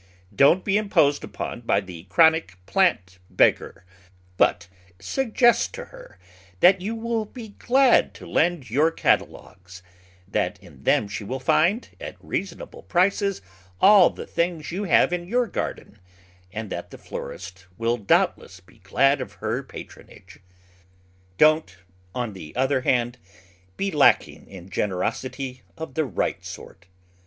Don't be imposed upon by the chronic plant beggar, but suggest to her that you will be glad to lend your cat alogues; that in them she will find, at reasonable prices, all the things you have in your garden; and that the florist will doubtless be glad of her patronage. Don't, on the other hand, be lacking in generosity of the right sort.